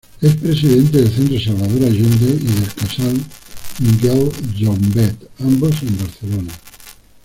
Es presidente del Centro Salvador Allende, y del Casal "Miquel Llobet", ambos en Barcelona.